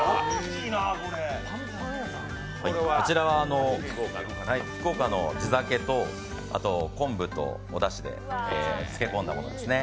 こちらは福岡の地酒と昆布とおだしで漬け込んだものです。